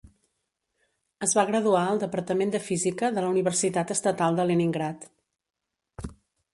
Es va graduar al Departament de Física de la Universitat Estatal de Leningrad.